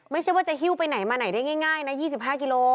ไม่ใช่ว่าจะหิ้วไปไหนมาไหนได้ง่ายนะ๒๕กิโล